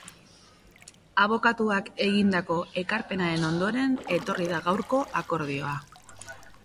Abokatuak egindako ekarpenaren ondoren etorri da gaurko akordioa.